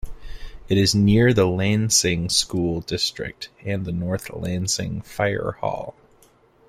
It is near the Lansing School District, and the North Lansing fire hall.